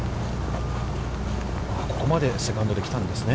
ここまでセカンドで来たんですね。